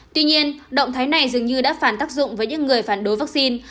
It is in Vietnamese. tuy nhiên động thái này dường như đã phản tác dụng với những người phản đối vaccine